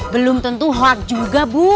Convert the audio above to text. belum tentu hard juga bu